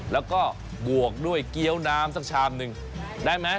แล้วก็บวกด้วยเกี้ยวน้ำสักชามหนึ่งได้ไหม